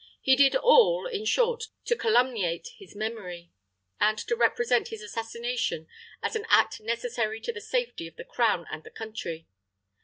He did all, in short, to calumniate his memory, and to represent his assassination as an act necessary to the safety of the crown and the country.